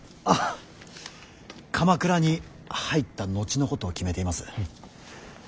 あっ鎌倉に入った後のことを決めています。